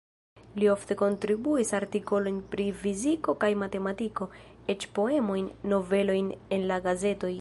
Li ofte kontribuis artikolojn pri fiziko kaj matematiko, eĉ poemojn, novelojn en la gazetoj.